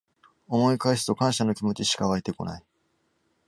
思い返すと感謝の気持ちしかわいてこない